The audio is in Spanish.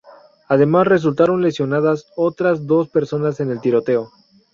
Además resultaron lesionadas otras dos personas en el tiroteo.